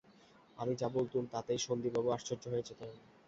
আমি যা বলতুম তাতেই সন্দীপবাবু আশ্চর্য হয়ে যেতেন।